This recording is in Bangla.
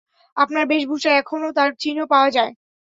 আপনার বেশভুষায় এখনও তার চিহ্ন পাওয়া যায়।